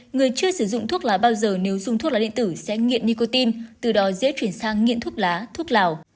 người chưa sử dụng thuốc lá bao giờ nếu dùng thuốc lá điện tử sẽ nghiện nicotine từ đó dễ chuyển sang nghiện thuốc lá thuốc lào